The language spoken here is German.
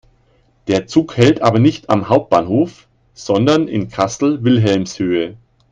Der Zug hält aber nicht am Hauptbahnhof, sondern in Kassel-Wilhelmshöhe.